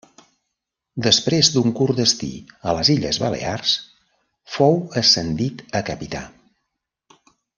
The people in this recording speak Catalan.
Després d'un curt destí a les Illes Balears, fou ascendit a capità.